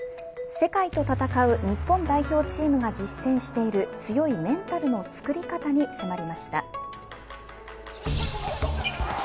世界と戦う日本代表チームが実践している強いメンタルの作り方に迫りました。